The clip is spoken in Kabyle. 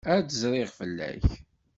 Ad d-zriɣ fell-ak.